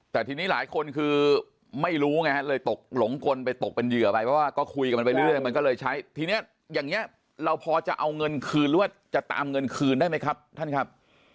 แต่ทีนี้หลายคนคือไม่รู้ไงเลยตกหลงกลไปตกเป็นเหยื่อไปเพราะว่าก็คุยกันไปเรื่อยมันก็เลยใช้ทีนี้อย่างนี้เราพอจะเอาเงินคืนหรือว่าจะตามเงินคืนได้ไหมครับท่านครับ